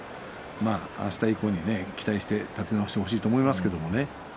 あした以降に期待して立て直してほしいと思いますけれどもね。